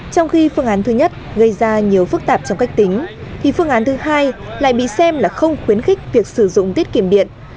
trong khi phương án thứ nhất gây ra nhiều phức tạp trong cách tính thì phương án thứ hai lại bị xem là không khuyến khích việc sử dụng tiết kiệm điện